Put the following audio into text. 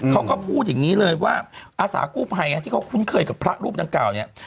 เขาก็พูดอย่างนี้เลยว่าอาสากู้ภัยที่เขาคุ้นเคยกับพระรูปดังกล่าวเนี่ย